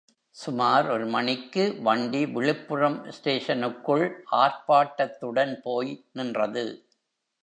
சுமார் ஒரு மணிக்கு வண்டி விழுப்புரம் ஸ்டேஷனுக்குள் ஆர்ப்பாட்டத்துடன் போய் நின்றது.